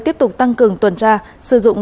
tiếp tục tăng cường tuần tra sử dụng